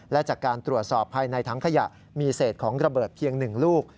และจากการตรวจสอบภายในถังขยะมีเศษของระเบิดเพียง๑ลูก